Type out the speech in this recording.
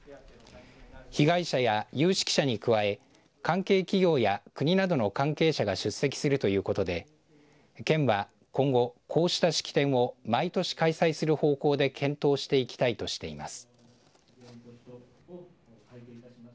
被害者や有識者に加え関係企業や国などの関係者が出席するということで県は今後、こうした式典を毎年開催する方向で検討していきたいとしています。